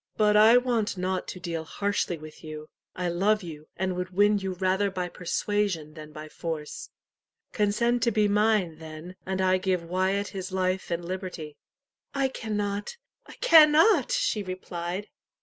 But I want not to deal harshly with you. I love you, and would win you rather by persuasion than by force. Consent to be mine, then, and I give Wyat his life and liberty." "I cannot I cannot!" she replied.